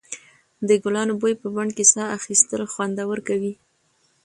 د ګلانو بوی په بڼ کې ساه اخیستل خوندور کوي.